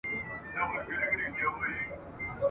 شته من هم له بدبویي سره عادت سو !.